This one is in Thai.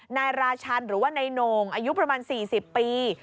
นายราชันหรือว่านายโหน่งอายุประมาณ๔๐ปี